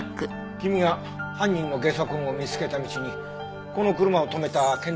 君が犯人のゲソ痕を見つけた道にこの車を止めた建材会社がわかってね